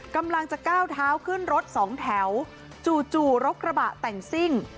กำลังจะก้าวเท้าขึ้นรถสองแถวจู่รถกระบะแต่งซิ่ง